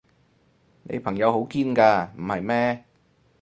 你朋友好堅㗎，唔係咩？